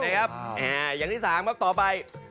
อย่างที่สามต่อไป